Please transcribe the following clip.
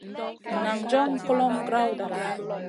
Nan jaŋ kulomʼma grawda.